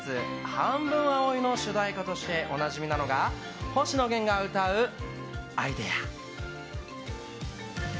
「半分、青い。」の主題歌としておなじみなのが星野源が歌う「アイデア」。